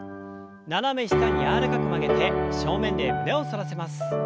斜め下に柔らかく曲げて正面で胸を反らせます。